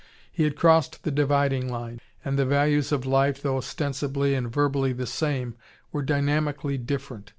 He had crossed the dividing line, and the values of life, though ostensibly and verbally the same, were dynamically different.